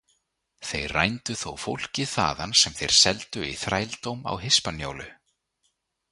Þeir rændu þó fólki þaðan sem þeir seldu í þrældóm á Hispaníólu.